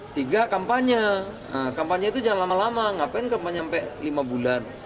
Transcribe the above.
tiga kampanye kampanye itu jangan lama lama ngapain kampanye sampai lima bulan